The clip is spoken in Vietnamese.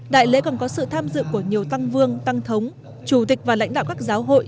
đại lễ còn có sự tham dự của nhiều tăng vương tăng thống chủ tịch và lãnh đạo các giáo hội